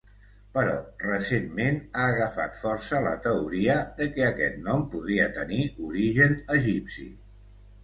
Però recentment ha agafat força la teoria de què aquest nom podria tenir origen egipci.